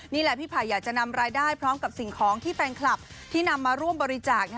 นี่แหละพี่ไผ่อยากจะนำรายได้พร้อมกับสิ่งของที่แฟนคลับที่นำมาร่วมบริจาค